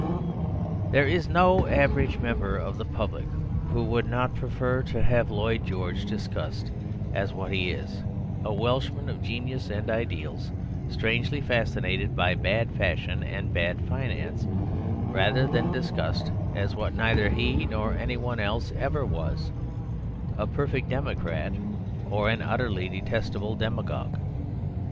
There is no average member of the public who would not prefer to have Lloyd George discussed as what he is, a Welshman of genius and ideals, strangely fascinated by bad fashion and bad finance, rather than discussed as what neither he nor anyone else ever was, a perfect democrat or an utterly detestable demagogue.